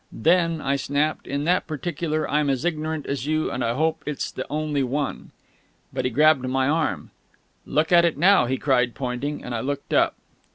"Then," I snapped, "in that particular I'm as ignorant as you, and I hope it's the only one." But he grabbed my arm. "Look at it now!" he cried, pointing; and I looked up.